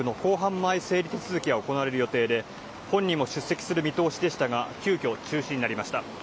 前整理手続きが行われる予定で本人も出席する見通しでしたが急きょ中止になりました。